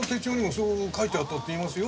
そう書いてあったっていいますよ。